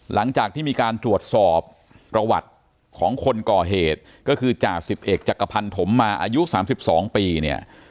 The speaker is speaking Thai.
หลังจากที่มีการตรวจสอบประวัติของคนก่อเหตุก็คือจ่าสิบเอกจักรพันธมมาอายุ๓๒ปีเนี่ย